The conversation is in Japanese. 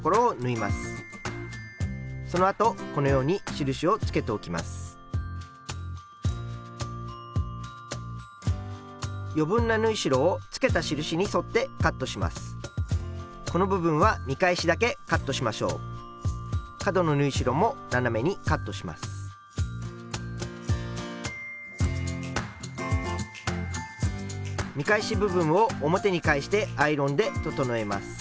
見返し部分を表に返してアイロンで整えます。